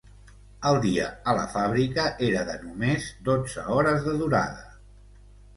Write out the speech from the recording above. El dia a la fàbrica era de només dotze hores de durada.